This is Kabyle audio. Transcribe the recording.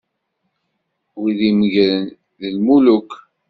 Wid imeggren, d lmuluk.